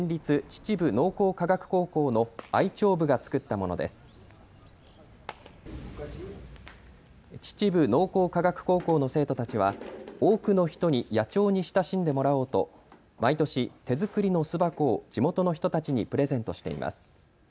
秩父農工科学高校の生徒たちは多くの人に野鳥に親しんでもらおうと毎年、手作りの巣箱を地元の人たちにプレゼントしています。